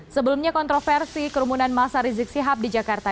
sebelumnya kontroversi kerumunan masa reziksi hap di jakarta